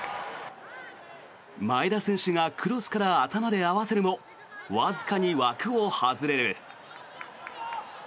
前田選手がクロスから頭で合わせるもわずかに枠を外れる。